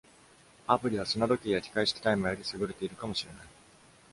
アプリは、砂時計や機械式タイマーより優れているかもしれない。